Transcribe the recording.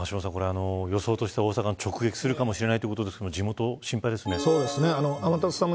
でも橋下さん、予想としては大阪を直撃するかもしれないということですが地元、心配ですね。